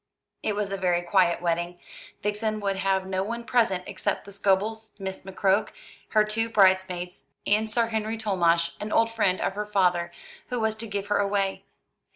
It was a very quiet wedding. Vixen would have no one present except the Scobels, Miss McCroke, her two bridesmaids, and Sir Henry Tolmash, an old friend of her father, who was to give her away.